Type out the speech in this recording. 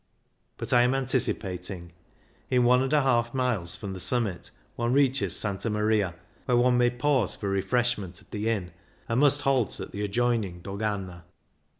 But I am anticipating. In ij miles from the summit one reaches Santa Maria, THE STELVIO 35 where one may pause for refreshment at the inn, and must halt at the adjoining dogana.